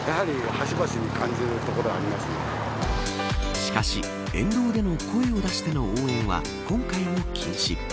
しかし沿道での声を出しての応援は今回も禁止。